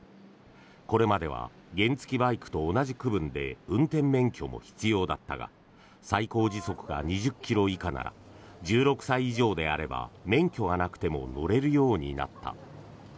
これまでは原付きバイクと同じ区分で運転免許も必要だったが最高時速が２０ｋｍ以下なら１６歳以上であれば免許がなくても乗れるようになった。